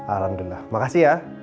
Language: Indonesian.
alhamdulillah makasih ya